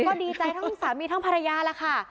ก็ดีใจทั้งสามีทั้งภรรยาแล้วค่ะ